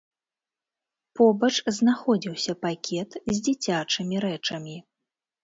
Побач знаходзіўся пакет з дзіцячымі рэчамі.